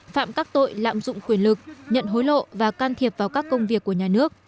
phạm các tội lạm dụng quyền lực nhận hối lộ và can thiệp vào các công việc của nhà nước